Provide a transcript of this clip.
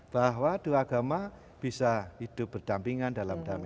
bahwa dua agama bisa hidup berdampingan dalam damai